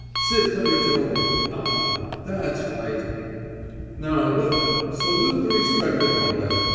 Sit when you're told! A a.... That's right! Now look! Salute the respected public.